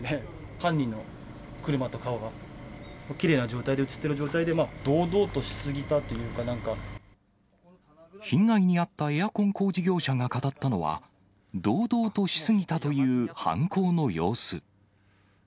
犯人の車と顔がきれいな状態で写ってる状態で、被害に遭ったエアコン工事業者が語ったのは、堂々としすぎたという犯行の様子。